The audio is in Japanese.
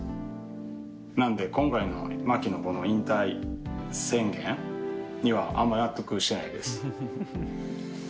なんで、今回のマキのこの引退宣言？には、あんま納得してないです。